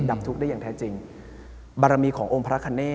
ับทุกข์ได้อย่างแท้จริงบารมีขององค์พระคเนต